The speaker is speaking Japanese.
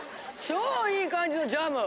超いい感じのジャム。